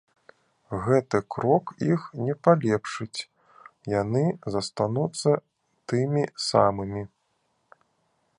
Гэты крок іх не палепшыць, яны застануцца тымі самымі.